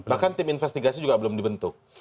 bahkan tim investigasi juga belum dibentuk